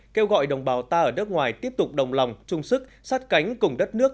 kêu gọi đồng bào ta ở đất ngoài tiếp tục đồng lòng trung sức sát cánh cùng đất nước